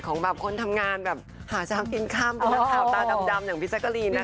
ของบางคนทำงานแบบหาชามกินข้ามด้วยหัวข่าวตาดำอย่างพี่ซักกะลีนนะคะ